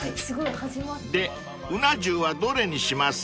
［でうな重はどれにします？］